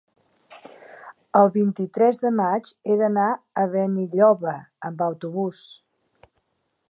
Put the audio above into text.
El vint-i-tres de maig he d'anar a Benilloba amb autobús.